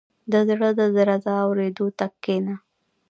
• د زړه د درزا اورېدو ته کښېنه.